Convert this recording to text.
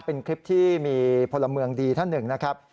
เป็นคลิปที่มีพลเมืองดีท่านหนึ่งนะครับ